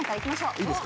いいですか？